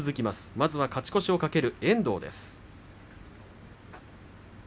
まず勝ち越しを懸ける遠藤です。